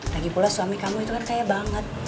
lagipula suami kamu itu kan kaya banget